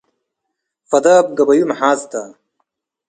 ፈዳብ ገበዩ መሓዝ ተ።